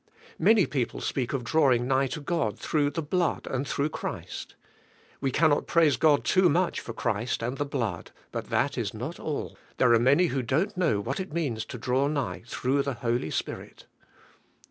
Many people speak of drawing nigh to God through the blood and through Christ. We cannot praise God too much for Christ and the blood, but that is not all, there are many who don't know what it means to draw nigh through the Holy Spirit.